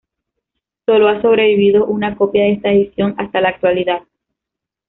Solo ha sobrevivido una copia de esta edición hasta la actualidad.